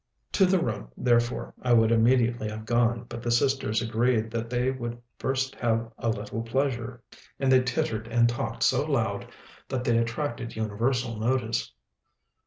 To the room, therefore, I would immediately have gone: but the sisters agreed that they would first have a little pleasure; and they tittered and talked so loud that they attracted universal notice.